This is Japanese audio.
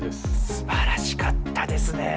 すばらしかったですねぇ。